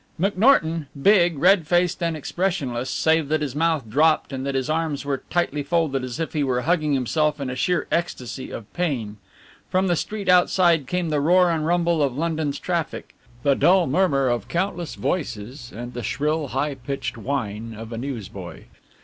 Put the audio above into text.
McNorton, big, red faced and expressionless, save that his mouth dropped and that his arms were tightly folded as if he were hugging himself in a sheer ecstasy of pain. From the street outside came the roar and rumble of London's traffic, the dull murmur of countless voices and the shrill high pitched whine of a newsboy.